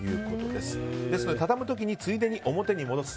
ですので畳む時についでに表に戻す。